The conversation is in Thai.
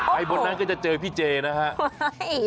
บนนั้นก็จะเจอพี่เจนะครับ